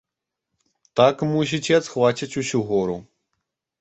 Так, мусіць, і адхвацяць усю гору.